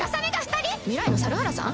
未来の猿原さん？